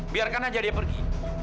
biarkan aja dia pergi